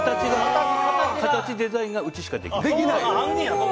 形デザインがうちしかできない。